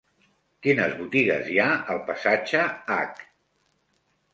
Quines botigues hi ha al passatge H?